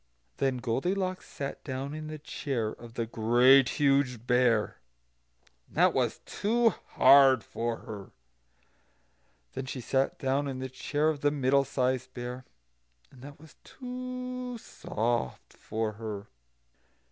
Then Goldilocks sat down in the chair of the Great Huge Bear, and that was too hard for her. And then she sat down in the chair of the Middle sized Bear, and that was too soft for her.